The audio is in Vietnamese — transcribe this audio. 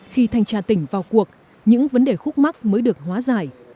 khi thanh tra tỉnh vào cuộc những vấn đề khúc mắc mới được hóa giải